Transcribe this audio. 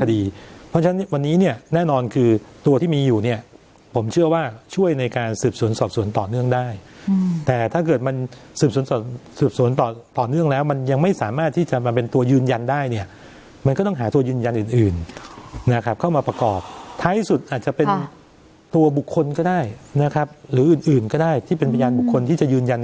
คดีเพราะฉะนั้นวันนี้เนี่ยแน่นอนคือตัวที่มีอยู่เนี่ยผมเชื่อว่าช่วยในการสืบสวนสอบสวนต่อเนื่องได้แต่ถ้าเกิดมันสืบสวนสืบสวนต่อเนื่องแล้วมันยังไม่สามารถที่จะมาเป็นตัวยืนยันได้เนี่ยมันก็ต้องหาตัวยืนยันอื่นนะครับเข้ามาประกอบท้ายที่สุดอาจจะเป็นตัวบุคคลก็ได้นะครับหรืออื่นก็ได้ที่เป็นพยานบุคคลที่จะยืนยัน